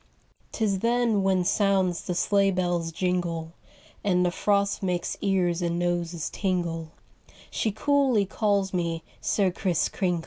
'Tis then when sounds the sleigh bell's jingle And the frost makes ears and noses tingle, She coolly calls me 'Sir Kriss Kringle.